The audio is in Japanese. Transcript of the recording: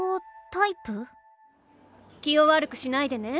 気を悪くしないでね。